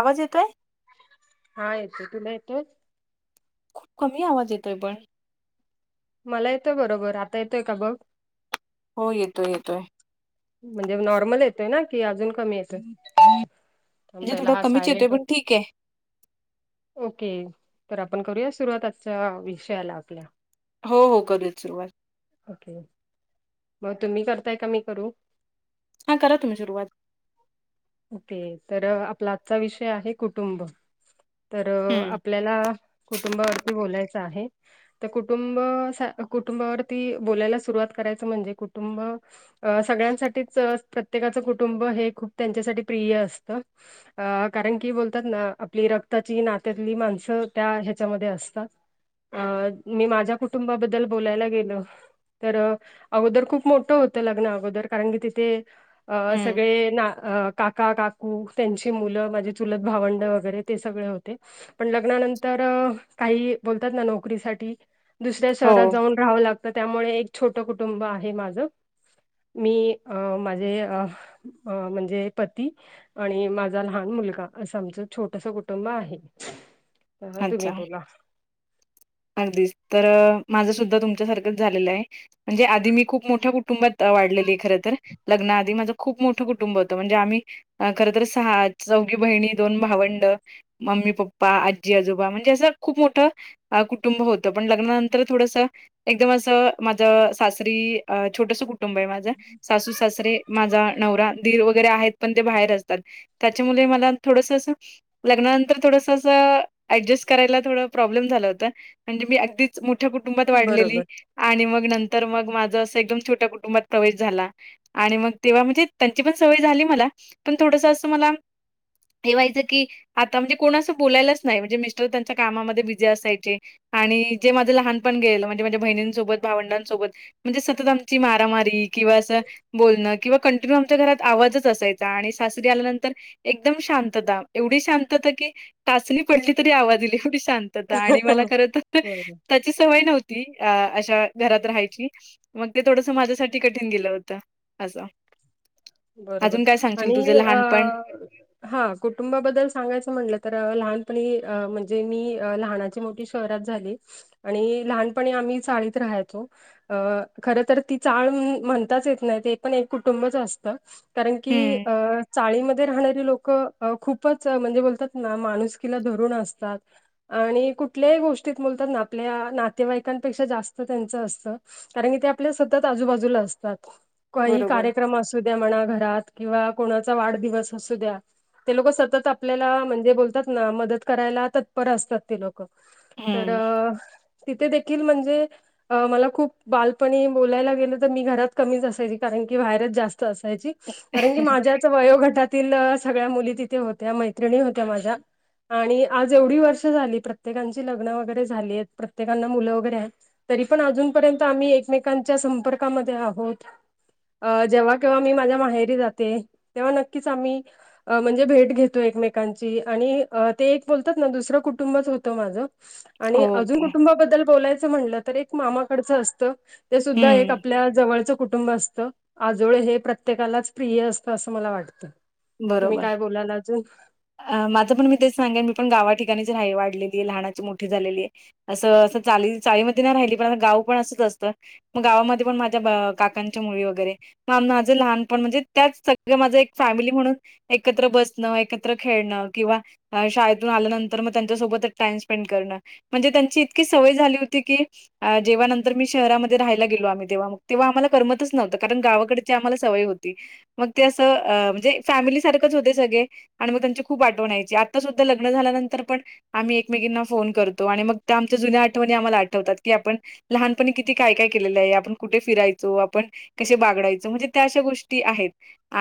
आवाज येतोय हा येतो तुला येतोय खूप कमी आवाज येतोय पण मला येतोय बरोबर आता येतोय का बघ हो येतोय येतोय म्हणजे नॉर्मल येतोय ना कि अजून कमी येतोय थांब म्हणे पहिला थोडा हा कमीच येतोय सायलेंट बट होता ठीक हे ओके तर आपण करूया सुरुवाताचा विषयाला आपल्या हो हो करूया सुरुवात. ओके. मग तुम्ही करताय का मी करू. हा करा तुम्ही सुरुवात ओके तर आपला आजचा विषय आहे कुटुंब. तर हम्म आपल्याला कुटुंबावरती बोलायचं आहे. तर कुटुंब कुटुंबावरती बोलायला सुरुवात करायचं म्हणजे कुटुंब अ सगळ्यांसाठीच प्रत्येकाचं कुटुंब हे खूप त्यांच्यासाठी प्रिय असतं. अ कारण की बोलतात ना आपली रक्ताची नात्यातली माणसं त्या ह्याच्यामध्ये असतात. अ मी माझ्या कुटुंबाबद्दल बोलायला गेल. तर अगोदर खूप मोठं होतं लग्न अगोदर कारण की तिथे अ हम्म सगळे ना. अ काका काकू त्यांची मुलं माझे चुलत भावंड वगैरे ते सगळे होते. पण लग्नानंतर काही बोलतात ना नोकरीसाठी दुसऱ्या हो शहरात जाऊन राहाव लागतं त्यामुळे एक छोटं कुटुंब आहे माझं. मी अ माझे अ अ म्हणजे पती आणि माझा लहान मुलगा असं आमचं छोटस कुटुंब आहे. बाबा तुम्ही तुला अगदीस तर माझं सुद्धा तुमच्यासारखंच झालेलं हे. म्हणजे आधी मी खूप मोठ्या कुटुंबात वाढलेली हे खर तर लग्न आधी माझं खूप मोठं कुटुंब होतं म्हणजे आम्ही अ खरंतर सहा चौघी बहिणी दोन भावंड. मम्मी पप्पा आजी आजोबा म्हणजे असं खूप मोठं आ कुटुंब होतं पण लग्नानंतर थोडसं एकदम असं माझ सासरी अ छोटसं कुटुंब हे माझा सासू सासरे माझा नवरा दिर वगैरे आहेत पण ते बाहेर असतात त्याच्यामुले मला थोडसं असं. लग्नानंतर थोडसं असं ऍडजस्ट करायला थोडं प्रॉब्लेम झाला. ता म्हणजे मी अगदीच मोठ्या कुटुंबात वाढलेली. बरोबर आणि मग नंतर मग माझं असं एकदम छोट्या कुटुंबात प्रवेश झाला. आणि मग तेव्हा म्हणजे त्यांची पण सवय झाली मला पण थोडसं असं मला हे व्हायचं की आता म्हणजे कोणा असं बोलायलाच नाही म्हणजे मिस्टर त्यांच्या कामा मध्ये बिझी असाय. चे आणि जे माझं लहान पण गेलं म्हणजे माझ्या बहिणींसोबत भावंडांसोबत म्हणजे सतत आमची मारामारी किंवा असं. बोलणं किंवा कंटिन्यू आमच्या घरात आवाजच असायचा आणि सासरी आल्यानंतर एकदम शांतता एवढी शांतता की टचणी पडली तरी आवाज येईल एवढी शांत तता आणि मला खर तर त बरोबर त्याची सवय नव्हती अ अशा घरात राहायची. मग ते थोडसं माझ्यासाठी कठीण गेलं होतं असं. बरोबर अजून काय सांगशील आणि तुझं अ लहानपण? हा कुटुंबा बद्दल सांगायचं म्हणलं तर अ लहानपणी अ म्हणजे मी लहानाची मोठी शहरात झाली आणि लहानपणी आम्ही चाळीत राहायचो. अ खर तर ती चाळ म्हणताच येत नाही ते पण एक कुटुंबच असत. त कारण की हं. अ. चाळीमध्ये राहणारी लोकं अ खूपच अ म्हणजे बोलतात ना माणुसकीला धरुण असतात. आणि कुठल्याही गोष्टीत बोलतात ना आपल्या नातेवाईकांपेक्षा जास्त त्यांचं असतं. कारण की ते आपल्या सतत आजूबाजूला असतात काही बरोबर. कार्यक्रम असत. द्या म्हणा घरात किंवा कोणाचा वाढदिवस असू द्या. ते लोक सतत आपल्याला म्हणजे बोलतात ना मदत करायला तत्पर असतात ते लोक. तर हं. तिथे देखील म्हणजे अ मला खूप बालपणी बोलायला गेलं तर मी घरात कमीच असायची कारण की बाहेरच जास्त असायची कारण की माझ्याच वयोगटात तील सगळ्या मुली तिथे होत्या मैत्रिणी होत्या माझ्या आणि आज एवढी वर्ष झाली प्रत्येकांची लग्न वगैरे झालीयेत प्रत्येकांना मुलं वगैरे आहेत तरी पण अजूनपर्यंत आम्ही एकमेकांच्या संपर्कामध्ये आहोत अ जेव्हा केव्हा मी माझ्या माहेरी जाते तेव्हा नक्कीच आम्ही अ म्हणजे भेट घेतो एकमेकांची आणि अ ते एक बोलतात ना दुसरं कुटुंबच होतं माझं आणि अजून ओके. कुटुंबाबद्दल बोलायचं म्हणलं तर एक मामाकडचं असतं ते सुद्धा एक हं. आपल्या जवळचं कुटुंब असतं आजोळे हे प्रत्येकालाच प्रिय असतं असं मला वाटतं. तुम्ही बरोबर काय बोलाल अजून अ माझं पण मी तेच सांगेन मी पण गावा ठिकाणीच राही वाढलेलीये लहानाची मोठी झालेलीये. असं असं चाली चाळी मध्ये नाही राहिली पण गाव पण असंच असतं. म गावामध्ये पण माझ्या बा काकांच्या मुली वगैरे मा माझ लहानपण म्हणजे त्याच सगळ माझं एक फॅमिली म्हणून एकत्र बसणं एकत्र खेळणं किंवा अ शाळेतून आल्यानंतर मग त्यांच्यासोबतच टाइम स्पेंड करणं म्हणजे त्यांची इतकी सवय झाली होती की अ जेव्हा नंतर मी शहरामध्ये राहायला गेलो आम्ही तेव्हा मग तेव्हा आम्हाला करमतच नव्हत कारण गावाकडे ची आम्हाला सवय होती मग ते अस अ म्हणजे फॅमिली सारखच होते सगळे आणि मग त्यांची खूप आठवण यायची आता सुद्धा लग्न झाल्यानंतर पण आम्ही एकमेकींना फोन करतो आणि मग त्या आमच्या जुन्या आठवणी आम्हाला आठवतात की आपण लहानपणी किती काय काय केलेलंय आपण कुठे फिरायचो आपण कसे बागडायचो म्हणजे त्या अशा गोष्टी आहेत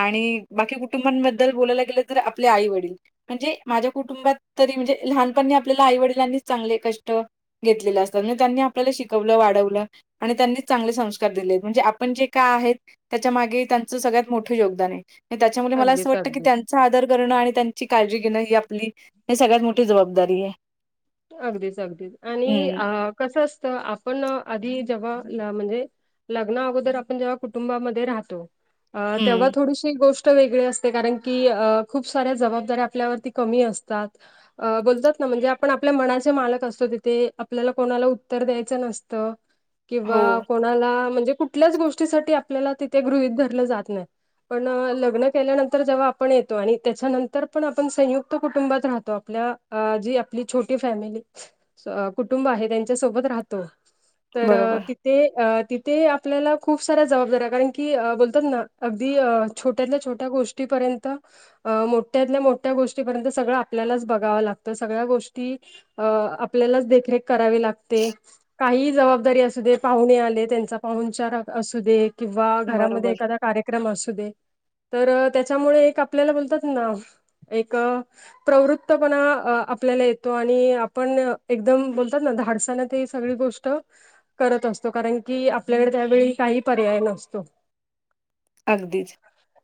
आणि बाकी कु कुटुंबांबद्दल बोलायला गेलं तर आपले आई वडील म्हणजे माझ्या कुटुंबात तरी म्हणजे लहानपणी आपल्याला आई वडिलांनीच चांगले कष्ट घेतलेल असत म्हणजे त्यांनी आपल्याला शिकवलं वाढवलं आणि त्यांनीच चांगले संस्कार दिलेत म्हणजे आपण जे काय आहेत त्याच्या मागे त्यांचं सगळ्यात मोठं योगदानय नि त्याच्यामुळे मला असं अगदीच वाटतं की अगदीच त्यांच आदर करणं आणि त्यांची काळजी घेणं ही आपली ही सगळ्यात मोठी जबाबदारीये. अगदीच अगदीच आणि अ कसं असतं आपण आधी जेव्हा ना म्हणजे लग्ना अगोदर आपण जेव्हा कुटुंबामध्ये राहतो अ तेव्हा हं. थोडीशी गोष्ट ष्ट वेगळी असते कारण की खूप साऱ्या जबाबदऱ्या आपल्यावरती कमी असतात. अ बोलतात ना म्हणजे पण आपल्या मनाचे मालक असतो तिथे आपल्याला कोणाला उत्तर द्यायचं नसतं. किंवा हो, कोणाला म्हणजे कुठल्याच गोष्टीसाठी आपल्याला तिथे गृहित धरलं जात नाय. पण लग्न केल्यानंतर जेव्हा आपण येतो आणि त्याच्यानंतर पण आपण संयुक्त कुटुंबात राहतो आपल्या अ जी पली छोटी फॅमिली सो कुटुंब आहे त्यांच्यासोबत राहतो तर बरोबर, ती ते अ तिथे आपल्याला खूप साऱ्या जबाबदऱ्या कारण की बोलतात ना अगदी अ छोट्यातल्या छोट्या गोष्टीपर्यंत अ मोठ्यातल्या मोठ्या गोष्टीपर्यंत सगळं आपल्यालाच बघाव लागतं सगळ्या गोष ती अ आपल्यालाच देखरेख करावी लागते. काहीही जबाबदारी असू दे पाहुणे आले त्यांचा पाहुनचार असूदे किंवा घरामध्ये बरोबर. एखादा कार्यक्रम असूदे तर त्याच्यामुळे एक आपल्याला बोलतात ना एक प्रवृत्तपणा आपल्याला येत तो आणि आपण एकदम बोलतात ना धाडसान ते सगळी गोष्ट करत असतो कारण की आपल्याकडे त्यावेळी काही पर्याय नसतो. अगदीच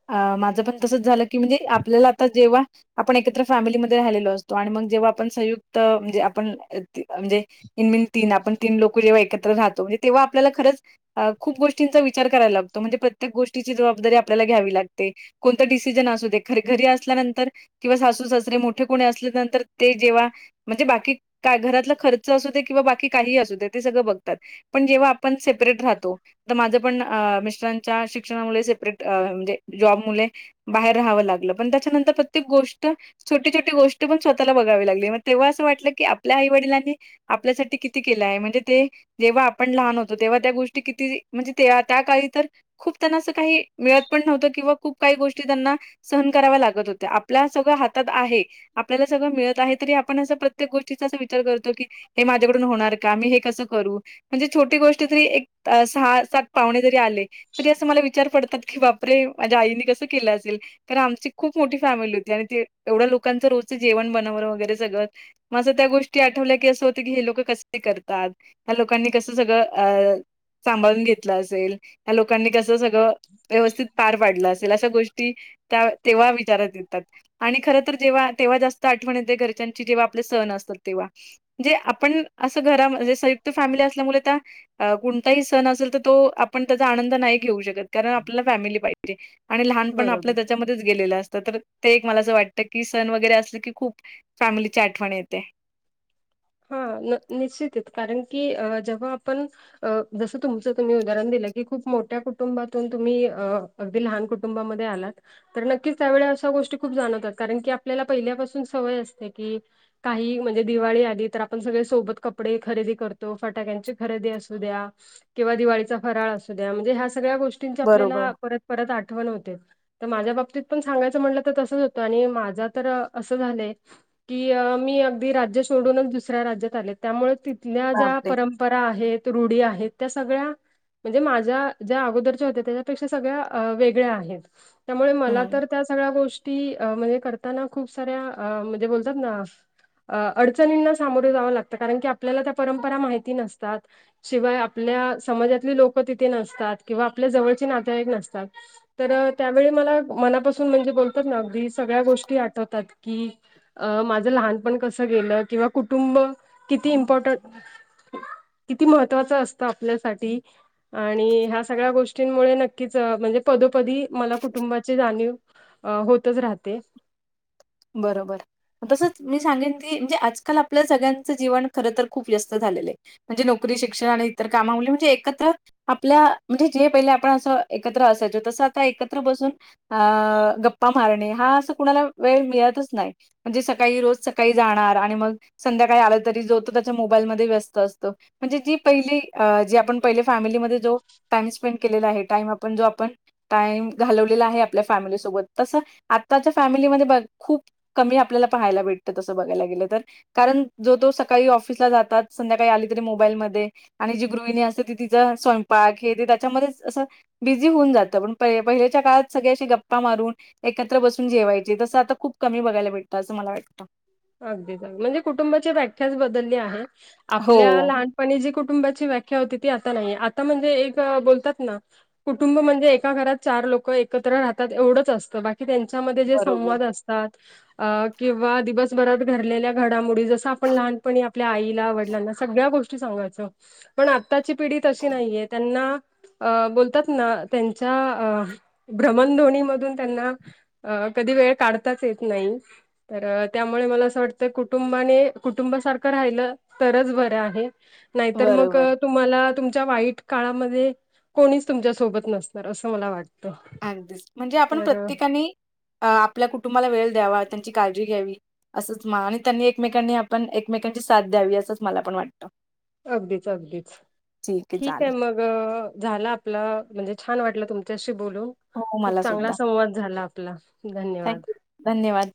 अ माझं पण तसंच झालं की म्हणजे आपल्याला आता जेव्हा आपण एकत्र फॅमिलीमध्ये राहिलेलो असतो आणि मग जेव्हा आपण संयुक्त म्हणजे आपण म्हणजे इन मीन तीन आपण तीन लोक जेव्हा एकत्र रहातो म्हणजे तेव्हा आपल्याला खरंच अ खूप गोष्टींचा विचार करायला लागतो म्हणजे प्रत्येक गोष्टीची जबाबदारी आपल्याला घ्यावी लागते. कोणतं डिसिजन असूदे खरं घरी असल्यानंतर किंवा सासू सासरे मोठे कोणी असल्या नंतर ते जेव्हा म्हणजे बाकी का घरातला खर्च असू दे किंवा बाकी काही असू दे ते सगळं बघतात पण जेव्हा आपण सेपरेट राहतो माझ्या पण मिस्टरांचा शिक्षणामुळे सेपरेट म्हणजे जॉब मुळे बाहेर राहावं लागलं पण त्याच्यानंतर प्रत्येक गोष्ट छोटी छोटी गोष्टी पण स्वतःला बघावी लागली मग तेव्हा असं वाटलं की आपल्या आई वडिलांनी आपल्यासाठी किती केलाय म्हणजे ते जेव्हा आपण लहान होतो तेव्हा त्या गोष्टी किती म्हणजे त्या काळी तर ते असं काही मिळत पण नव्हत किंवा खूप काही गोष्टी त्यांना सहन कराव्या लागत होत्या आपल्या सगळं हाथ मिळत आहे आपल्याला सगळं मिळत आहे तरी आपण असं प्रत्येक गोष्टीचा विचार करतो की हे माझ्याकडून होणार का मी हे कसं करू. म्हणजे छोटी गोष्ट जरी एक सहा सात पाहुणे जरी आले तरी असं मला विचार पडतात की बापरे माझ्या आईने कसं केलं असेल. कारण आमची खूप मोठी फॅमिली होती आणि ते एवढ्या लोकांचं रोजच जेवण बनवणं वगैरे सगळं माझं त्या गोष्टी आठवल्या की असं होत की हे लोक कसं करतात लोकांनी कसं सगळं संभाळून घेतलं असेल लोकांनी कसं व्यवस्थित पार पाडलं असेल अशा गोष्टी त्या तेव्हा विचारात येतात. आणि खरं तर जेव्हा तेव्हा जास्त आठवण येत घरच्यांची जेव्हा आपले सण असतात तेव्हा म्हणूजे आपण असं घरा म्हणे संयुक्त फॅमिली असल्यामुळे त्या अ कोणताही सण असेल तर तो आपण त्याचा आनंद तसं नाही घेऊ शकत कारण आपल्याला फॅमिली पाहिजे लहान पण आपलं बरोबर त्यामध्येच गेलेलं असतं तर ते एक मला असं वाटतं की सण वगैरे असलं की खूप फॅमिलीची आठवण येते. हा निश्चित कारण की जेव्हा आपण अ जसं तुमचं तुम्ही उदाहरण दिलं की खूप मोठ्या कुटुंबातून तुम्ही अ अगदी लहान कुटुंबामध्ये आलात तर नक्कीच त्यावेळी अशा गोष्टी खूप जाणवतात कारण की आपल्याला पहिल्यापासून सवय असते की काही म्हणजे दिवाळी आली तर आपण सगळे सोबत कपडे खरेदी करतो फटाक्यांची खरेदी असू द्या किंवा दिवाळीचा फराळ असू द्या म्हणजे ह्या सगळ्या गोष्टींची बरोबर. आपल्याला परत परत आठवण होते. तर माझ्या बाबतीत पण सांगायचं म्हटलं तर तसंच होतं आणि माझा तर असं झालंय की मी अगदी राज्य सोडूनच दुसऱ्या राज्यात आले त्यामुळे तिथल्या ज्या बापरे! परंपरा परंपरा आहेत रुढी आहेत त्या सगळ्या म्हणजे माझ्या ज्या अगोदरच्या होत्या त्याच्यापेक्षा सगळ्या वेगळ्या आहेत. त्यामुळे मला हं. तर त्या सगळ्या गोष्टी ती करताना खूप सार्‍या बोलतात ना अडचणी सामोरे जावं लागतं कारण की आपल्याला त्या परंपरा माहिती नसतात. शिवाय आपल्या समाजातली लोकं तिथे नसतात किंवा आपल्या जवळचे नातेवाईक नसतात. तर त्यावेळी मला मनापासून म्हणजे बोलतात ना अगदी सगळ्या गोष्टी आठवतात की अ माझं लहानपण कसं गेलं किंवा कुटुंब किती इम्पॉर्टंट किती महत्वाच असतं आपल्यासाठी आणि ह्या सगळ्या गोष्टींमुळे नक्कीच म्हणजे पदोपदी मला कुटुंबाची जाणीव होतच राहते. बरोबर तसंच मी सांगेन की म्हणजे आजकाल आपलं सगळ्यांचं जीवन खरं तर खूप व्यस्त झालेलं आहे. म्हणजे नोकरी शिक्षण आणि इतर कामामुळे म्हणजे एकत्र आपल्या म्हणजे जे पहिले आपण असं एकत्र असायचो तसं आता एकत्र बसून अ गप्पा मारणे हा असं कुणाला वेळ मिळतच नाही. म्हणजे सकाळी रोज सकाळी जाणार आणि मग संध्याकाळी आला तरी जो तो त्याच्या मोबाईलमध्ये व्यस्त असतो. म्हणजे जी पहिली जी आपण पहिले फॅमिलीमध्ये जो टाइम स्पेंड केलेला आहे टाइम आपण जो आपण. टाइम घालवलेला आहे आपल्या फॅमिलीसोबत तसं आत्ताच्या फॅमिलीमध्ये बघ खूप. कमी आपल्याला पाहायला भेटतं असं बघायला गेलं तर. कारण जो तो सकाळी ऑफिसला जातात संध्याकाळी आली तरी मोबाईलमध्ये. आणि जी गृहिणी असते ती तिचा स्वयंपाक हे ते त्याच्यामध्येच असं बिझी होऊन जातं पण पहिल्याच्या काळात सगळ्याशी गप्पा मारून एकत्र बसून जेवायचे. तसं आता खूप कमी बघायला भटतं असं मला वाटतं. अगदीचग म्हणजे कुटुंबाची व्याख्याच बदलली आहे आपल्या हो, लहान पण जी कुटुंबाची व्याख्या होती ती आता नाहीये आता म्हणजे एक बोलतात ना. कुटुंब म्हणजे एका घरात चार लोक एकत्र राहतात एवढंच असतं बाकी त्यांच्यामध्ये जे बरोबर, संवाद असतात किंवा दिवसभरात घरलेल्या घडामोडी जसं आपण लहानपणी आपल्या आईला वडलांना सगळ्या गोष्टी सांगायचं. पण आत्ताची पिढी तशी नाहीये त्यांना अ बोलतात ना त्यांच्या अ भ्रमणध्वनी मधून त्यांना अ कधी वेळ काढताच येत नाही तर त्यामुळे मला असं वाटतं कुटुंबाने कुटुंबासारखं राहिलं तरच बरं आहे. नाहीतर मग. बरोबर. तुम्हाला तुमच्या वाईट काळामध्ये कोणीच तुमच्यासोबत नसणार असं मला वाटत. अगदीस म्हणजे आपण प्रत्येकाने आपल्या कुटुंबाला वेळ द्यावा त्यांची काळजी घ्यावी. असंच मा आणि त्यांनी एकमेकांनी आपण एकमेकांची साथ द्यावी असंच मला पण वाटतं. अगदीच अगदीच ठीक आहे मग झालं आपला म्हणजे छान वाटलं तुमच्याशी बोलून. हो, खूप मला सुद्धा. चांगला संवाद झाला आपला धन्यवाद. थँक्यू धन्यवाद.